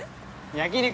焼き肉。